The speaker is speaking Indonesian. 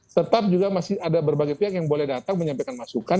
tetap juga masih ada berbagai pihak yang boleh datang menyampaikan masukan